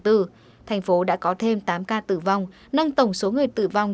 thành phố đã có thêm tám ca tử vong nâng tổng số người tử vong